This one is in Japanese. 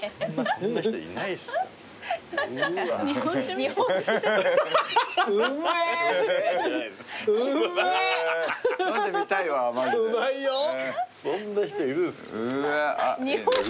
そんな人いるんですね。